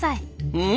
うん？